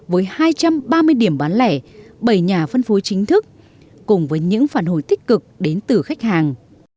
với hai trăm ba mươi điểm bán lẻ bảy nhà phân phối chính thức cùng với những phản hồi tích cực đến từ khách hàng